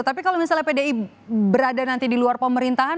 tapi kalau misalnya pdi berada nanti di luar pemerintahan